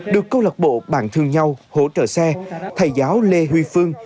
được câu lạc bộ bàn thương nhau hỗ trợ xe thầy giáo lê huy phương